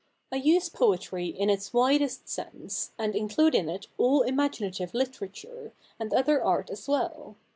I use poetry in its widest sense, and include in it all imaginative literature, and other art as well.